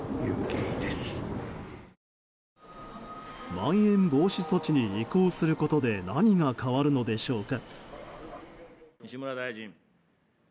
まん延防止措置に移行することで何が変わるのでしょうか。